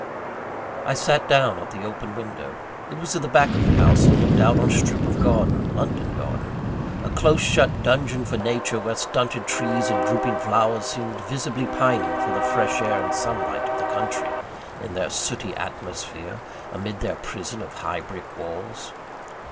I sat down at the open window. It was at the back of the house, and looked out on a strip of garden London garden a close shut dungeon for nature, where stunted trees and drooping flowers seemed visibly pining for the free air and sunlight of the country, in their sooty atmosphere, amid their prison of high brick walls.